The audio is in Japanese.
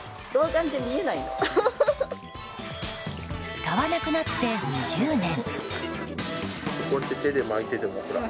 使わなくなって２０年。